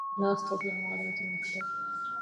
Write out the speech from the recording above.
لا أستطيع مغادرة المكتب.